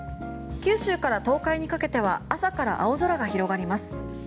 九州から東海にかけては朝から青空が広がります。